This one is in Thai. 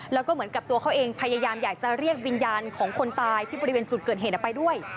แล้วก็เหมือนกับตัวเขาเองพยายามอยากจะเรียกวิญญาณของคนตายที่บริเวณจุดเกิดเหตุไปด้วย